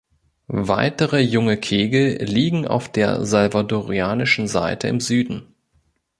Weitere junge Kegel liegen auf der salvadorianischen Seite im Süden.